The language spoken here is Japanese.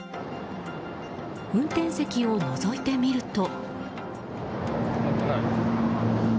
運転席をのぞいてみると。